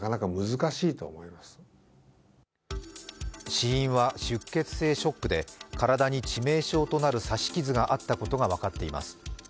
死因は出血性ショックで体に致命傷となる刺し傷があったことが分かっています。